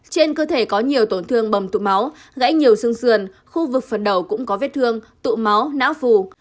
trên cơ thể có nhiều tổn thương bầm tụt máu gãy nhiều xương khu vực phần đầu cũng có vết thương tụ máu não phù